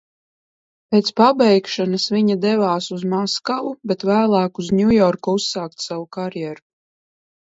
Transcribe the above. Pēc pabeigšanas viņa devās uz Maskavu, bet vēlāk uz Ņujorku uzsākt savu karjeru.